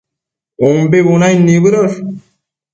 umbi bunaid nibëdosh